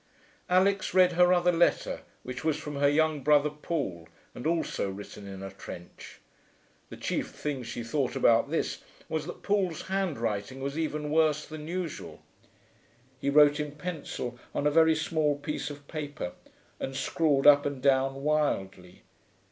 Alix read her other letter, which was from her young brother Paul, and also written in a trench. The chief thing she thought about this was that Paul's handwriting was even worse than usual. He wrote in pencil on a very small piece of paper, and scrawled up and down wildly.